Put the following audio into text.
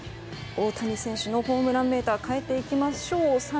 大谷選手のホームランメーター変えていきましょう。